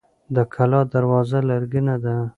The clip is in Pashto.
د کلا دروازه لرګینه ده.